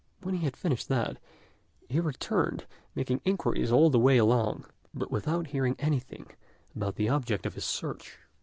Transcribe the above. When he had finished that, he returned, making inquiries all the way along, but without hearing anything about the object of his search.